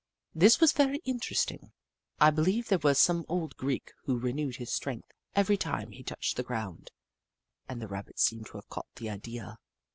This was very interesting. I beheve there was some old Greek who renewed his strength every time he touched the ground, and the Rabbits seem to have caught the idea.